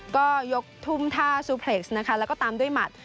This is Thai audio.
ก็ยกทุ่มท่าซูเพล็กซ์นะคะแล้วก็ตามด้วยหมัด